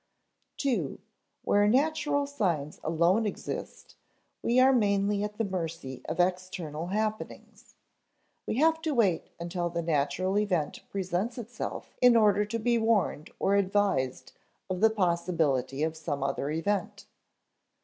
(ii) Where natural signs alone exist, we are mainly at the mercy of external happenings; we have to wait until the natural event presents itself in order to be warned or advised of the possibility of some other event.